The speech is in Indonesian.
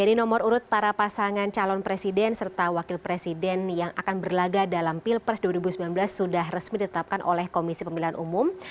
nomor urut para pasangan calon presiden serta wakil presiden yang akan berlaga dalam pilpres dua ribu sembilan belas sudah resmi ditetapkan oleh komisi pemilihan umum